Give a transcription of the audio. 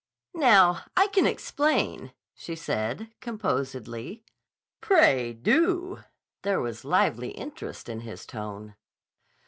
"Now I can explain," said she composedly. "Pray do." There was lively interest in his tone.